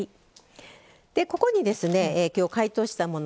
ここに解凍したもの